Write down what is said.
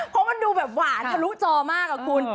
เพราะมันดูแบบหวานทะลุจอมากอะคุณ